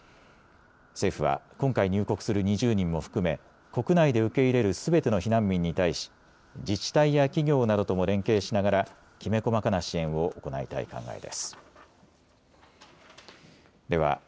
政府は今回入国する２０人も含め国内で受け入れるすべての避難民に対し自治体や企業などとも連携しながらきめ細かな支援を行いたい考えです。